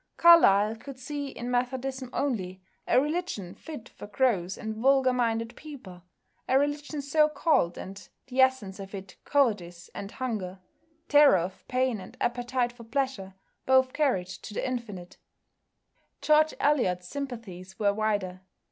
Carlyle could see in Methodism only "a religion fit for gross and vulgar minded people, a religion so called, and the essence of it cowardice and hunger, terror of pain and appetite for pleasure both carried to the infinite." George Eliot's sympathies were wider.